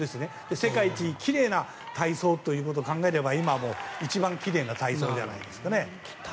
世界一奇麗な体操ということを考えれば今はもう一番奇麗な体操じゃないですかね。